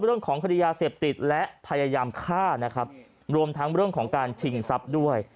เรื่องของคดียาเสพติดและพยายามฆ่านะครับรวมทั้งเรื่องของการชิงทรัพย์ด้วย